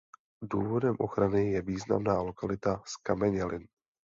Důvodem ochrany je významná lokalita zkamenělin.